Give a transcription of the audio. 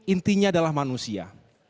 intinya adalah manusia